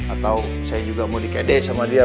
atau saya juga mau dikede sama dia